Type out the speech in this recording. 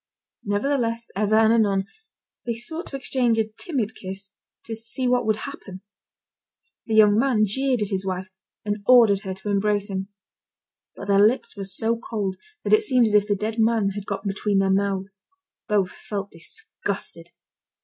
Nevertheless, ever and anon, they sought to exchange a timid kiss, to see what would happen. The young man jeered at his wife, and ordered her to embrace him. But their lips were so cold that it seemed as if the dead man had got between their mouths. Both felt disgusted.